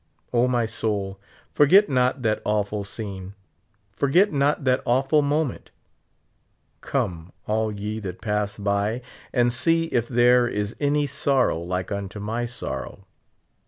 O, my soul, forget not that awful scene ; forget not that awful mo ment. Come, all yc that pass by, and see if there is any sorrow like unto my sorrow.